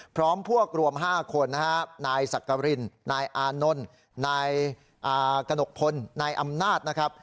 พร้อมพวกรวม๕คนนะฮะนายสักกรินนายอานนท์นายกระหนกพลนายอำนาจนะครับ